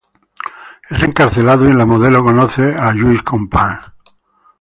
Es encarcelado y en la Modelo conoce Lluís Companys.